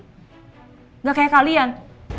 nggak kayak kalian